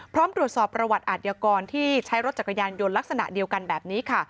พร้อมตรวจสอบประวัติอาทยากรที่ใช้รถจักรยานยนต์ลักษณะเดียวกันแบบนี้ค่ะ